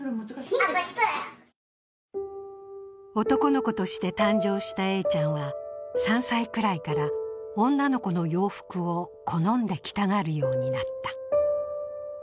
男の子として誕生したＡちゃんは３歳くらいから女の子の洋服を好んで着たがるようになった。